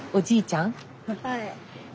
はい。